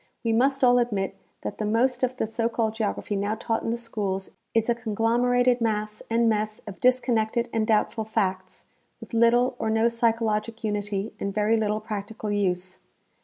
We must all admit that the most Source of the Influence of Greece. 131 of the so called geography now taught in the schools is a con glomerated mass (and mess) of disconnected and doubtful facts, with little or no psychologic unity and very little practical use.